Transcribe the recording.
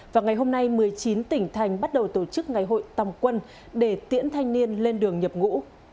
và ngày hôm nay một mươi chín tỉnh thành bắt đầu tổ chức ngày hội tòng quân để tiễn thanh niên lên đường nhập ngũ